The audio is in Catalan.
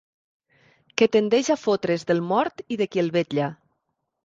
Que tendeix a fotre's del mort i de qui el vetlla.